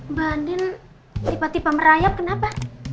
mbak andin tiba tiba merayap kenapa